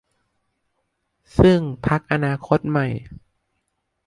ซึ่งพรรคอนาคตใหม่